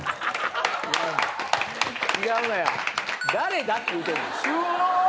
誰だ？って言うてんねん。